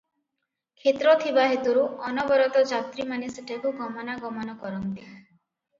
କ୍ଷେତ୍ର ଥିବା ହେତୁରୁ ଅନବରତ ଯାତ୍ରିମାନେ ସେଠାକୁ ଗମନାଗମନ କରନ୍ତି ।